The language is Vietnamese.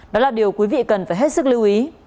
đó là điều quý vị cần phải hết sức lưu ý